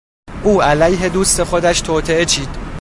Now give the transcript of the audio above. او علیه دوست خودش توطئه چید.